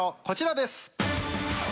こちらです。